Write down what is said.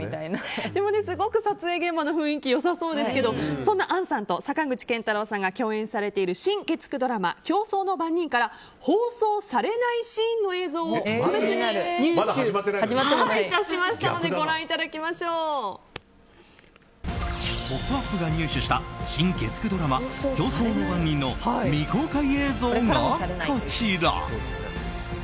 でもすごく撮影現場の雰囲気良さそうですけどそんな杏さんと坂口健太郎さんが共演されている新月９ドラマ「競争の番人」から放送されないシーンの映像を特別に入手しましたので「ポップＵＰ！」が入手した新月９ドラマ「競争の番人」の未公開映像がこちら。